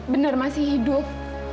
bener masih hidup